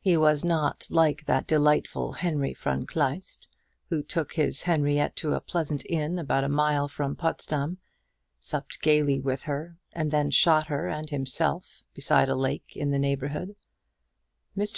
He was not like that delightful Henry von Kleist, who took his Henriette to a pleasant inn about a mile from Potsdam, supped gaily with her, and then shot her and himself beside a lake in the neighbourhood. Mr.